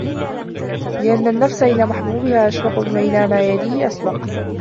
لِأَنَّ النَّفْسَ إلَى مَحْبُوبِهَا أَشْوَقُ وَإِلَى مَا يَلِيهِ أَسْبَقُ